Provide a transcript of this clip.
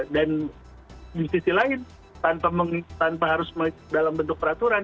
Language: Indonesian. dan di sisi lain tanpa harus dalam bentuk peraturan